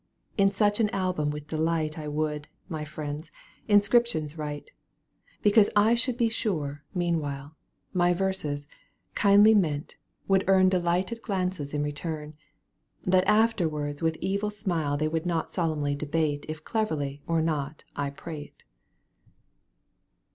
In such an album with delight I would, my friends, inscriptions write, Because I should be sure, meanwhile, Digitized by CjOOQ 1С CANTO IV. EUGENE ON^GUINE. ПЗ My verses, kindly meant, would earn Delighted glances in return ; That afterwards with evil smile They would not solemnly debate If cleverly or not I prate.